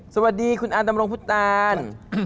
สวัสดีคุณอาตำรงพุทธรรม